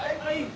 はい！